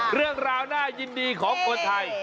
เรื่องราวน่ายินดีของคนไทย